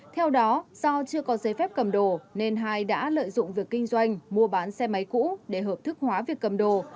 theo đó do chưa có giấy phép cầm đồ nên hai đã lợi dụng việc kinh doanh mua bán xe máy cũ để hợp thức hóa việc cầm đồ